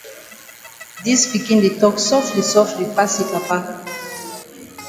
Dis pikin di tok sofli sofli pass yi pa.